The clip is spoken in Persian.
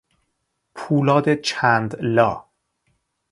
پولاد چند لا